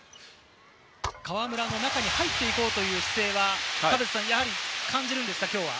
河村の、中に入っていこうという姿勢は感じるんですか？